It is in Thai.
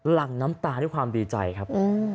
หลังน้ำตาด้วยความดีใจครับ